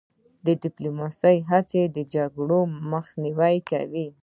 د ډیپلوماسی هڅې د جګړو مخنیوی کوي.